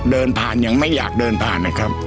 เดินผ่านยังไม่อยากเดินผ่านนะครับ